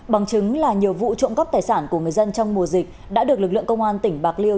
bằng chứng là nhiều vụ trộm cắp tài sản của người dân trong mùa dịch đã được lực lượng công an tỉnh bạc liêu